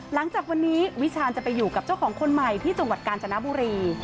หลังจากวันนี้วิชาญจะไปอยู่กับเจ้าของคนใหม่ที่จังหวัดกาญจนบุรี